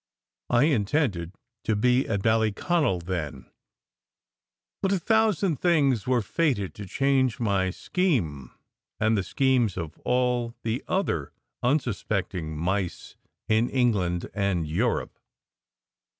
I intended to be at Bally conal then; but a thousand things were fated to change my scheme and the schemes of all the other unsuspecting mice in England and Europe.